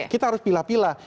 kita harus pilih pilih